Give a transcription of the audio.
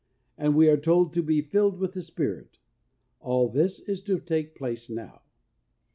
And we are told to ' be filled with the Spirit.' All this is to take place now.